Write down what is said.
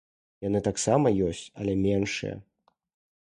Яны таксама ёсць, але меншыя.